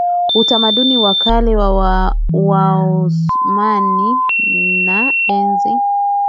utamaduni wa kale wa Waosmani na enzi